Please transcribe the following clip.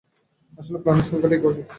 আসলে প্রাণের সংজ্ঞাটাই বা কী?